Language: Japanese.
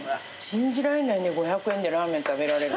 信じられないね５００円でラーメン食べられる。